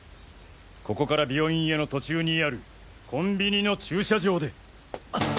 ここから病院への途中にあるコンビニの駐車場で。